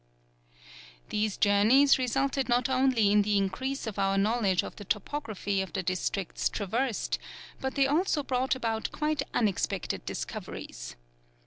These journeys resulted not only in the increase of our knowledge of the topography of the districts traversed, but they also brought about quite unexpected discoveries.